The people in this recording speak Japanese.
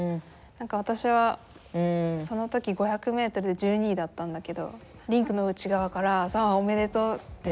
私はその時５００ｍで１２位だったんだけどリンクの内側から「サンファおめでとう」って。